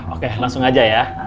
oke langsung aja ya